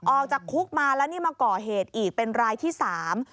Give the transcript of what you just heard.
ออกจากคุกมาแล้วนี่มาก่อเหตุอีกเป็นรายที่สาม